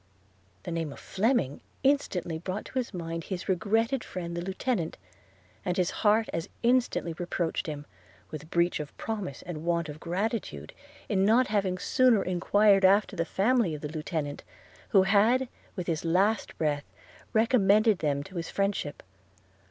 The name of Fleming instantly brought to his mind his regretted friend the Lieutenant, and his heart as instantly reproached him with breach of promise, and want of gratitude, in not having sooner enquired after the family of the lieutenant, who had with his last breath recommended them to his friendship.